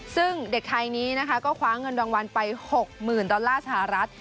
ซึ่งเด็กไทยนี้นะคะก็คว้าเงินรางวัลไป๖๐๐๐ดอลลาร์สหรัฐ